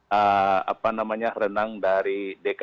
dan ada yang berangkat teman teman renang dari dki